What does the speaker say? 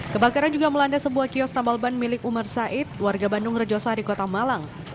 kebakaran juga melanda sebuah kios tambal ban milik umar said warga bandung rejosari kota malang